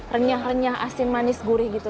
renyah renyah asin manis gurih gitu